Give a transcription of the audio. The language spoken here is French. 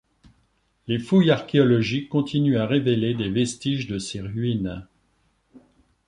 Les fouilles archéologiques continuent à révéler des vestiges de ces ruines.